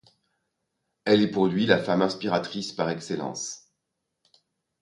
Elle est pour lui la femme inspiratrice par excellence.